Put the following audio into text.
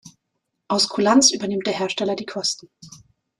Aus Kulanz übernimmt der Hersteller die Kosten.